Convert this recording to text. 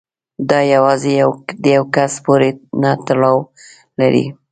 دا یوازې د یو کس پورې نه تړاو لري.